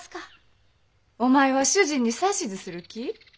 お前は主人に指図する気？